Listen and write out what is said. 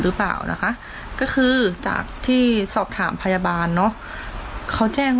หรือเปล่านะคะก็คือจากที่สอบถามพยาบาลเนอะเขาแจ้ง